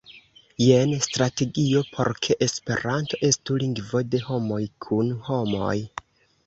Jen strategio por ke Esperanto estu lingvo de homoj kun homoj.